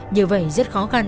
như vậy rất khó khăn